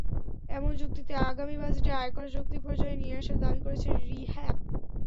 এমন যুক্তিতে আগামী বাজেটে আয়কর যৌক্তিক পর্যায়ে নিয়ে আসার দাবি করছে রিহ্যাব।